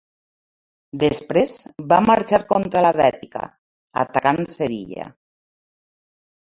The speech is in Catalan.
Després va marxar contra la Bètica, atacant Sevilla.